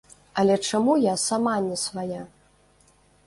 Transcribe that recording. Але чаму я сама не свая!